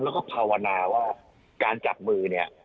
แล้วก็ภาวนาว่าการจับมือเนี่ย